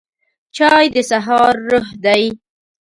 چای د سهار روح دی